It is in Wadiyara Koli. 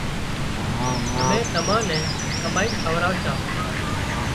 امين تمان نين ڪمائينَ کوراوشان